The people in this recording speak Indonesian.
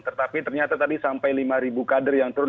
tetapi ternyata tadi sampai lima kader yang turun